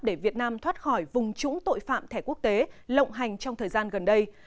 để việt nam thoát khỏi vùng trũng tội phạm thẻ quốc tế lộng hành trong thời gian gần đây